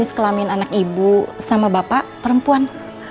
kelamin anak ibu sama bapak perempuan